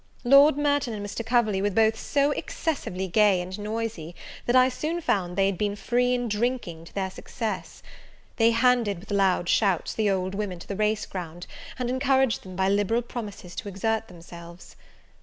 Lord Merton and Mr. Coverley were both so excessively gay and noisy, that I soon found they had been free in drinking to their success. They handed, with loud shouts, the old women to the race ground, and encouraged them by liberal promises to exert themselves.